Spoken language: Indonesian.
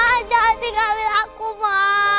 ma jangan tinggalin aku ma